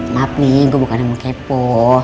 maaf nih gue bukan emang kepo